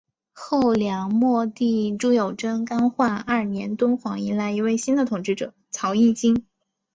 后梁末帝朱友贞干化二年敦煌迎来一位新的统治者曹议金。